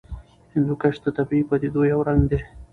هندوکش د طبیعي پدیدو یو رنګ دی.